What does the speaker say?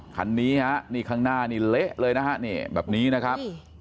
คันนี้ฮะนี่ข้างหน้านี่เละเลยนะฮะนี่แบบนี้นะครับ